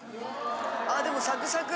あでもサクサク。